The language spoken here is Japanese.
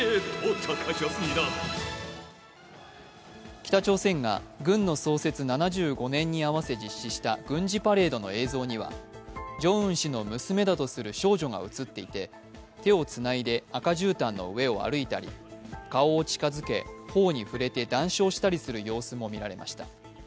北朝鮮が軍の創設７５年に合わせ実施した軍事パレードの映像にはジョンウン氏の娘だとする少女が映っていて手をつないで赤じゅうたんの上を歩いたり顔を近づけ、頬に触れて談笑したりする様子も見られました。